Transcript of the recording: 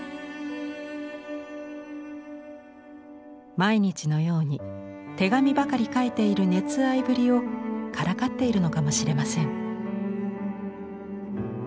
毎日のように手紙ばかり書いている熱愛ぶりをからかっているのかもしれません。